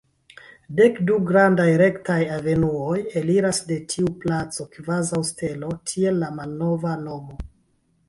Dek-du grandaj rektaj avenuoj eliras de tiu placo kvazaŭ stelo, tiel la malnova nomo.